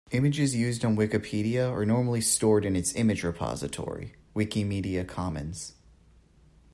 Images used on Wikipedia are normally stored in its image repository, Wikimedia Commons